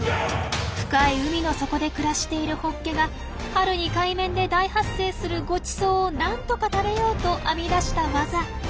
深い海の底で暮らしているホッケが春に海面で大発生するごちそうをなんとか食べようと編み出した技。